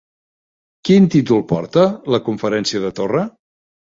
Quin títol porta la conferència de Torra?